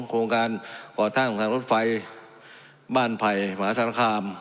โครงการก่อสร้างกระทั่งรถไฟบ้านไผ่หมาศาลคาห์ม